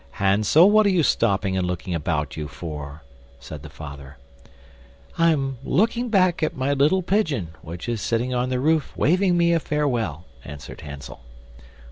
"Hansel, what are you stopping and looking about you for?" said the father. "I'm looking back at my little pigeon, which is sitting on the roof waving me a farewell," answered Hansel.